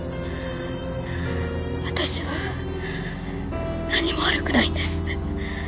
私は何も悪くないんです。